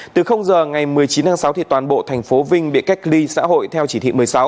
từ giờ ngày một mươi chín tháng sáu toàn bộ thành phố vinh bị cách ly xã hội theo chỉ thị một mươi sáu